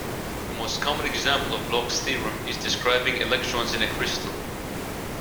The most common example of Bloch's theorem is describing electrons in a crystal.